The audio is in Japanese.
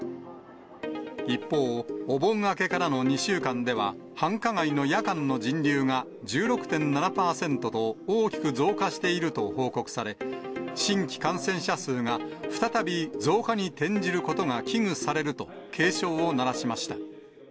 一方、お盆明けからの２週間では、繁華街の夜間の人流が１６．７％と、大きく増加していると報告され、新規感染者数が再び増加に転じることが危惧されると、警鐘を鳴らしました。